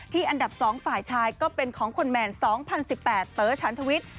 อันดับ๒ฝ่ายชายก็เป็นของคนแมน๒๐๑๘เต๋อฉันทวิทย์